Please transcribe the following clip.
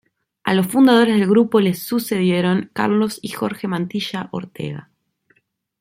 A los fundadores del grupo les sucedieron Carlos y Jorge Mantilla Ortega.